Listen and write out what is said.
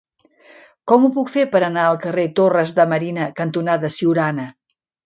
Com ho puc fer per anar al carrer Torres de Marina cantonada Siurana?